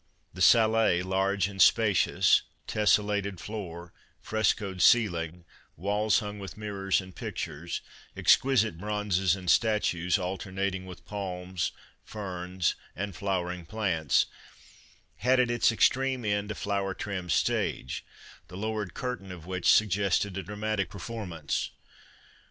The salle, large and spacious, — tessellated floor, frescoed ceiling, walls hung with mirrors and pictures, exquisite bronzes and statues alternating with palms, ferns and flowering plants, — had at its extreme end a flower trimmed stage, the lowered curtain of which suggested a dramatic performance.